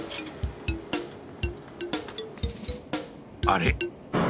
あれ？